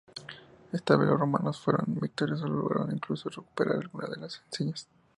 Esta vez los romanos fueron victoriosos, logrando incluso recuperar algunas de las enseñas.